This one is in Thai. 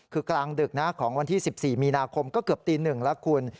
คือกลางดึกนะของวันที่๑๔มีนาคมก็เกือบตี๑แล้วคุณ